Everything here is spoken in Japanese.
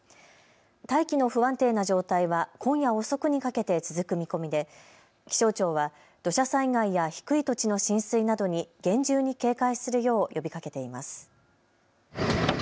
大気の不安定な状態は今夜遅くにかけて続く見込みで、気象庁は土砂災害や低い土地の浸水などに厳重に警戒するよう呼びかけています。